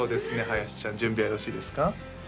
林ちゃん準備はよろしいですか？